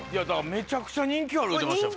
めちゃくちゃ人気ある言うてましたよ